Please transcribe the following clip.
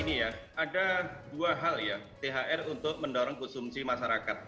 ini ya ada dua hal ya thr untuk mendorong konsumsi masyarakat